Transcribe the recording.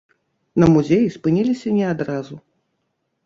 На музеі спыніліся не адразу.